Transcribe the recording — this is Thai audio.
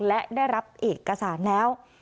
และได้รับเอกสารแล้ว